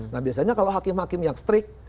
nah biasanya kalau hakim hakim yang strict